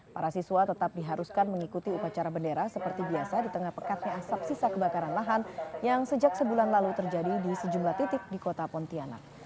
para siswa tetap diharuskan mengikuti upacara bendera seperti biasa di tengah pekatnya asap sisa kebakaran lahan yang sejak sebulan lalu terjadi di sejumlah titik di kota pontianak